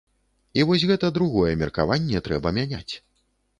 І вось гэта другое меркаванне трэба мяняць.